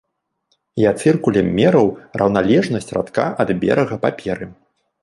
Я цыркулем мераў раўналежнасць радка ад берага паперы.